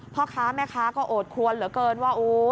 พ่อค้าแม่ค้าก็โอดควรเหลือเกินว่า